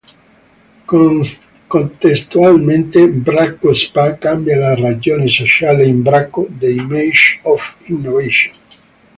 Contestualmente Bracco Spa cambia la ragione sociale in Bracco the Image of Innovation.